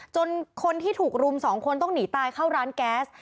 จนคนที่ถูกรุม๒คนต้องหนีตายเข้าร้านแก๊ส